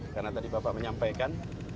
karena tadi bapak menyampaikan